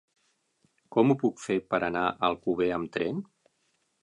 Com ho puc fer per anar a Alcover amb tren?